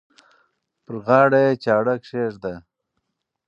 پر غاړه یې چاړه کښېږده.